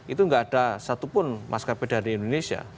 itu gak ada satupun mas kp dari indonesia